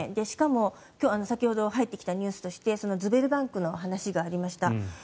しかも、先ほど入ってきたニュースとしてズベルバンクの話がありました。